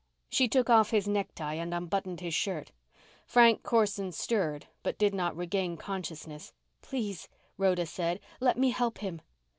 She took off his necktie and unbuttoned his shirt. Frank Corson stirred but did not regain consciousness. "Please," Rhoda said, "let me help him."